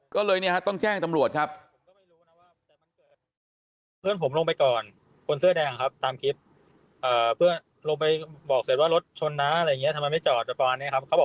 ก็เลยต้องแจ้งตำรวจครับ